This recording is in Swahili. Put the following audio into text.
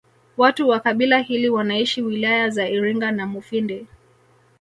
Watu wa kabila hili wanaishi wilaya za Iringa na Mufindi